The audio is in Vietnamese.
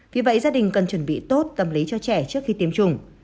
vì vậy gia đình cần chuẩn bị tốt tâm lý cho trẻ trước khi tiêm chủng